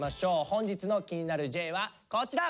本日の「気になるＪ」はこちら！